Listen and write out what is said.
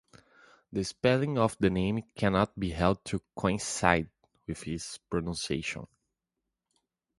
The spelling of the name cannot be held to coincide with its pronunciation.